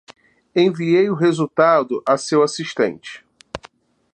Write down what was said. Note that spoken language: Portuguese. Enviei o resultado a seu assistente.